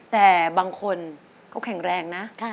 แต่บางคนเขาแข็งแรงนะ